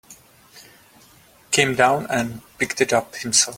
Came down and picked it out himself.